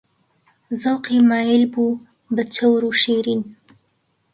زەوقی مایل بوو بە چەور و شیرین